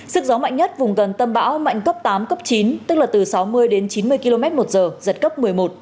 sức gió mạnh nhất vùng gần tâm bão mạnh cấp tám cấp chín tức là từ sáu mươi đến chín mươi km một giờ giật cấp một mươi một